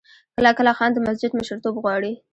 کله کله خان د مسجد مشرتوب غواړي.